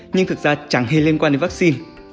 nhưng thực ra chẳng hề liên quan đến vaccine